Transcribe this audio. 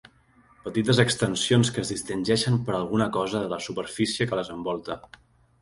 Petites extensions que es distingeixen per alguna cosa de la superfície que les envolta.